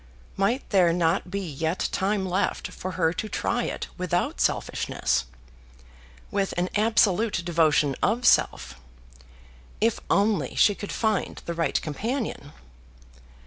Might there not be yet time left for her to try it without selfishness, with an absolute devotion of self, if only she could find the right companion?